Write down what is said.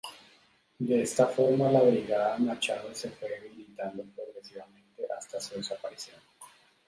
De esta forma, la Brigada Machado se fue debilitando progresivamente hasta su desaparición.